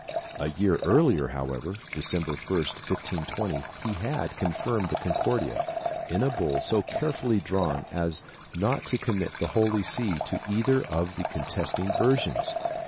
A year earlier, however, December 1, 1520, he had confirmed the Concordia, in a bull so carefully drawn as not to commit the Holy See to either of the contesting versions.